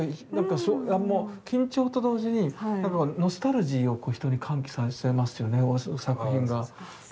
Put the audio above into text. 緊張と同時にノスタルジーを人に喚起させますよね作品が。